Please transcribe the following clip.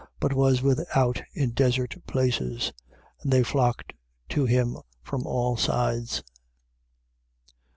but was without in desert places. And they flocked to him from all sides.